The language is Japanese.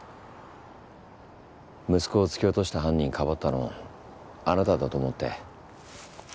息子を突き落とした犯人かばったのあなただと思って。